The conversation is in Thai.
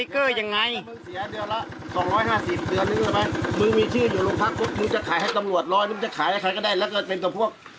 ก็ได้แล้วก็เป็นแต่พวก